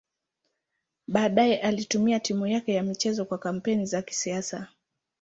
Baadaye alitumia timu yake ya michezo kwa kampeni za kisiasa.